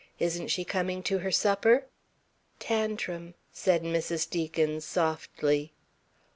"Isn't she coming to her supper?" "Tantrim," said Mrs. Deacon, softly.